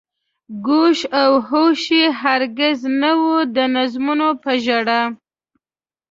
گوش و هوش يې هر گِز نه وي د مظلومو په ژړا